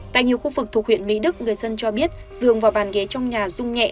tại nhiều khu vực thuộc huyện mỹ đức người dân cho biết dường vào bàn ghế trong nhà rung nhẹ